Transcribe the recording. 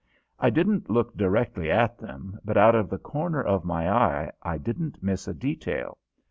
I didn't look directly at them, but out of the corner of my eye I didn't miss a detail.